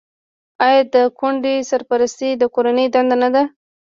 آیا د کونډې سرپرستي د کورنۍ دنده نه ده؟